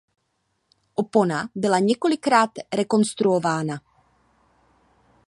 Opona byla několikrát rekonstruována.